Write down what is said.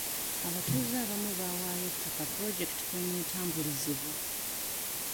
Abatuuze abamu baawaayo ettaka pulojekiti kweneetambulizibwa.